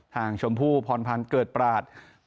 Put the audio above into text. ชมพู่พรพันธ์เกิดปราศ